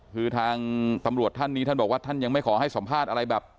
คือทางตำรวจท่านนี้ท่านบอกว่าท่านยังไม่ขอให้สัมภาษณ์อะไรแบบ